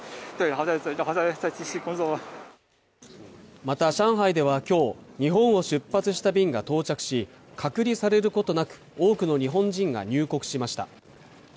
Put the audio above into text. また上海では今日、日本を出発した便が到着し隔離されることなく多くの日本人が入国しました。